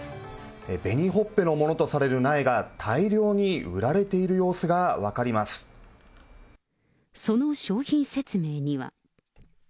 紅ほっぺのものとされる苗が大量に売られている様子が分かりその商品説明には。